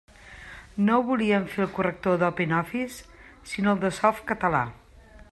No volíem fer el corrector d'OpenOffice, sinó el de Softcatalà.